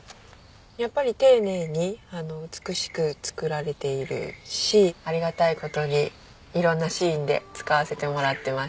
やっぱり丁寧に美しく作られているしありがたい事に色んなシーンで使わせてもらってます。